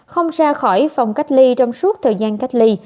không ra khỏi phòng cách ly trong suốt thời gian cách ly